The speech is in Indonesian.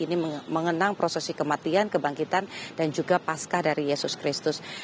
ini mengenang prosesi kematian kebangkitan dan juga pasca dari yesus kristus